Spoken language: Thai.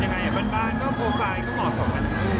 ยังไงบ้านก็โฟไฟล์เหมาะสองกัน